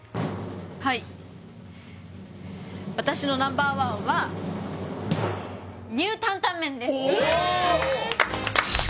はい私のＮｏ．１はニュータンタンメンですおーっ！